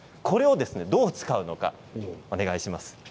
これをどう使うのかお願いします。